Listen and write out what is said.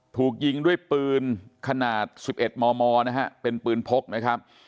ถูกยิงด้วยปืนขนาด๑๑มมนะฮะเป็นปืนพกนะครับ